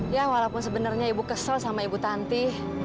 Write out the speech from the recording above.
ya walaupun sebenarnya ibu kesel sama ibu tanti